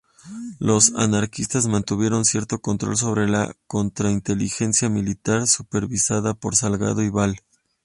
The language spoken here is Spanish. Los anarquistas mantuvieron cierto control sobre la contrainteligencia militar, supervisada por Salgado y Val.